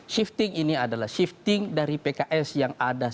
shifting ini adalah shifting dari pks yang ada sebagai salah satu kekuasaan